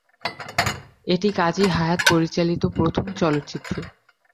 এটি কাজী হায়াৎ পরিচালিত প্রথম চলচ্চিত্র।